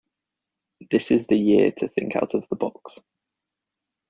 This is the year to think out of the box.